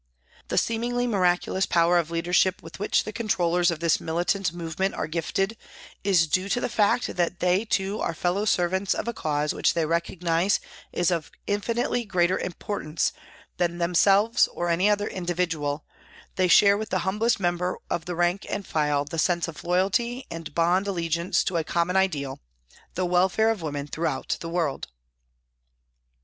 The seemingly miraculous power of leader ship with which the controllers of this militant movement are gifted is due to the fact that they too are fellow servants of a cause which they recognise is of infinitely greater importance than themselves or any other individual, they share with the humblest member of the rank and file the sense of loyalty MY CONVERSION 27 and bond allegiance to a common ideal the welfare of women throughout the world.